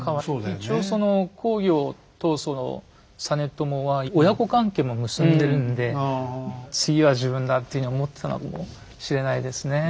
一応その公暁と実朝は親子関係も結んでるんで次は自分だっていうふうに思ってたのかもしれないですね。